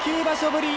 ぶり